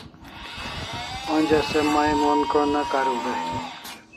Onja se mai mon ko'n' ne kariu dai